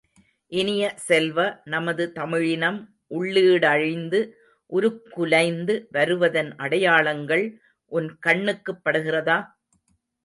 இனிய செல்வ, நமது தமிழினம் உள்ளீடழிந்து உருக்குலைந்து வருவதன் அடையாளங்கள் உன் கண்ணுக்குப் படுகிறதா?